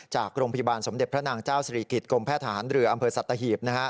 จากโรงพยาบาลสมเด็จพระนางเจ้าศิริกิจกรมแพทย์ทหารเรืออำเภอสัตหีบ